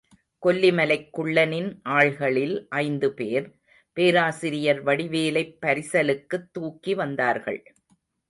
கொல்லிமலைக் குள்ளனின் ஆள்களில் ஐந்து பேர், பேராசிரியர் வடிவேலைப் பரிசலுக்குத் தூக்கி வந்தார்கள்.